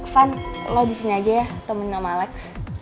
van lo disini aja ya temenin om alex